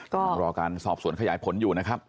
รอการสอบสวนขยายผลอยู่นะครับ